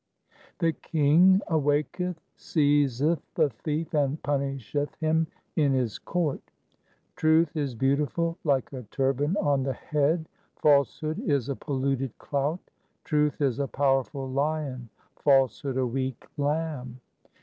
The king awaketh, seizeth the thief, and punisheth him in his court. 3 Truth is beautiful like a turban on the head. Falsehood is a polluted clout. Truth is a powerful lion, falsehood a weak lamb.